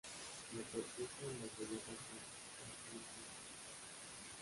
La corteza y las bellotas son astringentes.